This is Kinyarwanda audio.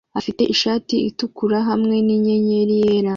afite ishati itukura hamwe ninyenyeri yera